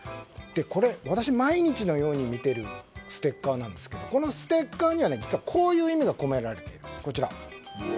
私、毎日のように見てるステッカーなんですけどもこのステッカーには実は、こういう意味が込められている。